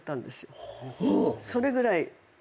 それぐらい。